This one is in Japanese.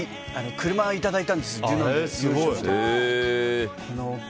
車をいただいたんです。